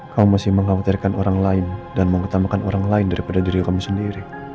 kamu masih mengkhawatirkan orang lain dan mengutamakan orang lain daripada diri kami sendiri